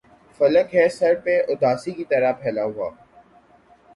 فلک ہے سر پہ اُداسی کی طرح پھیلا ہُوا